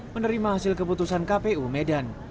menerima hasil keputusan kpu medan